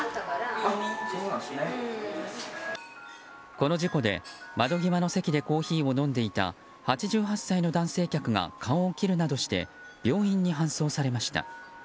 この事故で窓際の席でコーヒーを飲んでいた８８歳の男性客が顔を切るなどして病院に搬送されました。